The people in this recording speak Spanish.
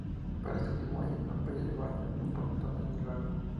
Para esto último hay una playa de baño y un pontón en el lago.